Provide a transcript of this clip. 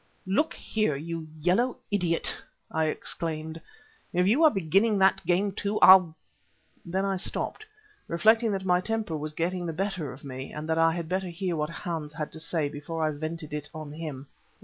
"Look here, you yellow idiot," I exclaimed, "if you are beginning that game too, I'll " then I stopped, reflecting that my temper was getting the better of me and that I had better hear what Hans had to say before I vented it on him.